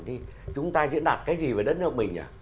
thì chúng ta diễn đạt cái gì về đất nước mình nhỉ